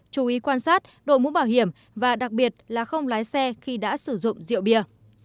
chú ý quan sát đội mũ bảo hiểm và đặc biệt là không lái xe khi đã sử dụng rượu bia